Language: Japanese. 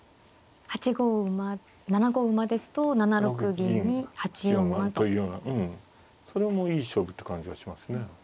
８五馬７五馬ですと７六銀に８四馬と。というようなうんそれもいい勝負って感じがしますね。